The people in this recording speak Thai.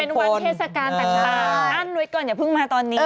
เป็นวันเทศกาลต่างอั้นไว้ก่อนอย่าเพิ่งมาตอนนี้